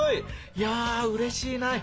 いやうれしいない！